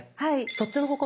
そっちの方向